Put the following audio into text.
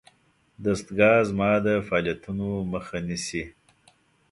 دستګاه زما د فعالیتونو مخه نیسي.